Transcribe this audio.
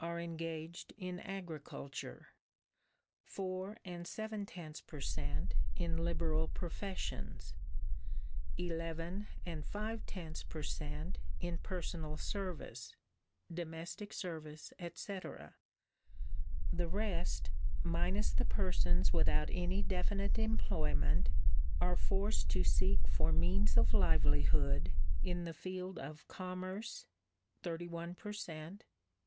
are engaged in agriculture, four and seven tenths per cent. in liberal professions, eleven and five tenths per cent. in personal service (domestic service etc.); the rest, minus the persons without any definite employment are forced to seek for means of livelihood in the field of commerce (thirty one per cent.)